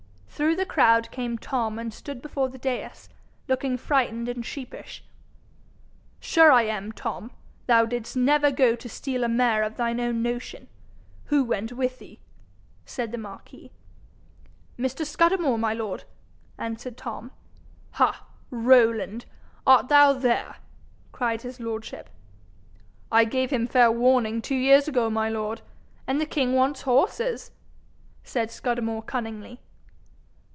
Through the crowd came Tom, and stood before the dais, looking frightened and sheepish. 'Sure I am, Tom, thou didst never go to steal a mare of thine own notion: who went with thee?' said the marquis. 'Mr. Scudamore, my lord,' answered Tom. 'Ha, Rowland! Art thou there?' cried his lordship. 'I gave him fair warning two years ago, my lord, and the king wants horses,' said Scudamore cunningly.